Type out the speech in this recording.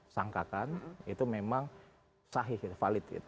sangkakan itu memang sahih valid gitu